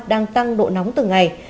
đang tăng độ nóng từ ngày